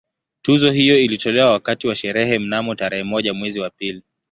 Tuzo hiyo ilitolewa wakati wa sherehe mnamo tarehe moja mwezi wa pili